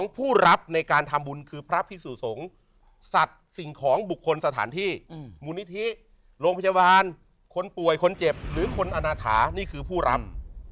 ผู้รับในการทำบุญคือพระพิสุสงฆ์สัตว์สิ่งของบุคคลสถานที่มูลนิธิโรงพยาบาลคนป่วยคนเจ็บหรือคนอนาถานี่คือผู้รำ